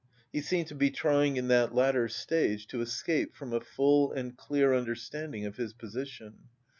He seemed to be trying in that latter stage to escape from a full and clear understanding of his position.